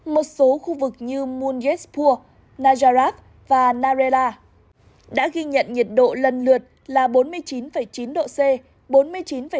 một số khu vực như monjespur najarag và narela đã ghi nhận nhiệt độ lần lượt là bốn mươi chín chín độ c